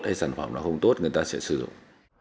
hay sản phẩm nó không tốt người ta sẽ sử dụng